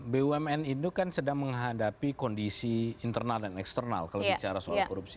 bumn itu kan sedang menghadapi kondisi internal dan eksternal kalau bicara soal korupsi